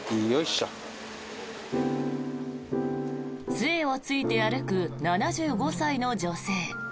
杖をついて歩く７５歳の女性。